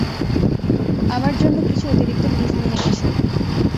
আমার জন্য কিছু অতিরিক্ত পিস নিয়ে এসো।